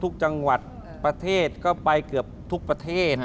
ทุกจังหวัดประเทศก็ไปเกือบทุกประเทศ